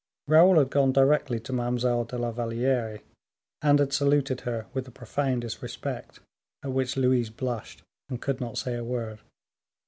Raoul had gone directly to Mademoiselle de la Valliere, and had saluted her with the profoundest respect, at which Louise blushed, and could not say a word.